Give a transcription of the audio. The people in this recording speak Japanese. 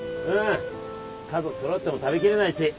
家族揃っても食べきれないし。